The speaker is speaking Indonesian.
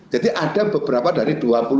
jadi ada beberapa dari